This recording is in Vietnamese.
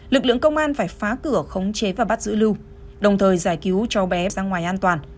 lực lượng công an phải phá cửa khống chế và bắt giữ lưu đồng thời giải cứu cháu bé ra ngoài an toàn